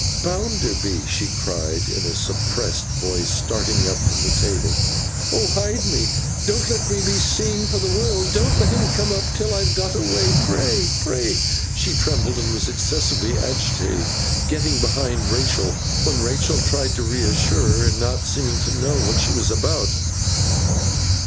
'Bounderby!' she cried, in a suppressed voice, starting up from the table. 'Oh hide me! Don't let me be seen for the world. Don't let him come up till I've got away. Pray, pray!' She trembled, and was excessively agitated; getting behind Rachael, when Rachael tried to reassure her; and not seeming to know what she was about.